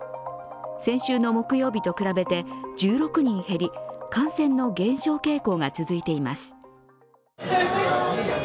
先週の木曜日と比べて１６人減り、感染の減少傾向が続いています。